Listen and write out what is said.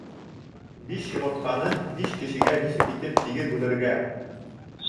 Биш йомортҡаны биш кешегә нисек итеп тигеҙ бүлергә?